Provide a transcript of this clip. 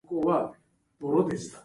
わあああああああ